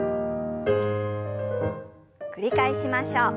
繰り返しましょう。